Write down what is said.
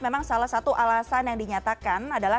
memang salah satu alasan yang dinyatakan adalah